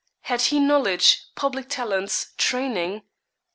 Had he knowledge, public talents, training?